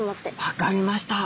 分かりました。